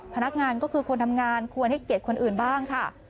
พนักงานก็คือคนทำงานควรให้เกียรติคนอื่นบ้างค่ะ